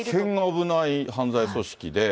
大変危ない犯罪組織で。